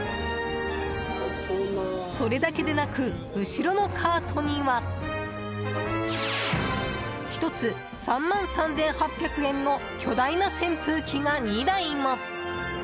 それだけでなく後ろのカートには１つ３万３８００円の巨大な扇風機が２台も。